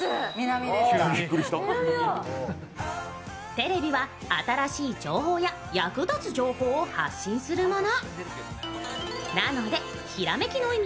テレビは新しい情報や役立つ情報を発信するもの。